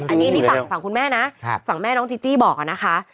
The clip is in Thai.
อันนี้นี่ฝั่งคุณแม่นะฝั่งแม่น้องจีจี้บอกนะคะ